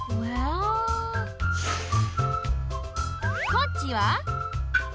こっちは庇。